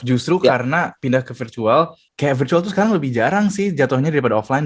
justru karena pindah ke virtual kayak virtual tuh sekarang lebih jarang sih jatuhnya daripada offline